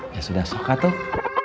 ya sudah soka tuh